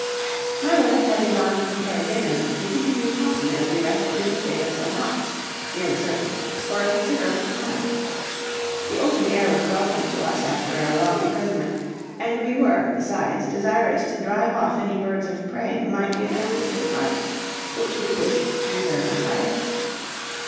My wife having gone to prepare dinner, we continued talking as we rested in the shade of some rocks, near the serpent, for a considerable time. The open air was welcome to us after our long imprisonment: and we were, besides, desirous to drive off any birds of prey who might be attracted to the carcass, which we wished to preserve entire.